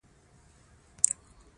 فاریاب د افغانستان د طبیعت برخه ده.